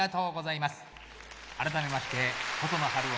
改めまして細野晴臣